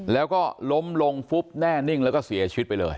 แล้วก็ล้มลงฟุบแน่นิ่งแล้วก็เสียชีวิตไปเลย